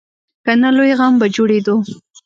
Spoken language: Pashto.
که نه، لوی غم به جوړېدو.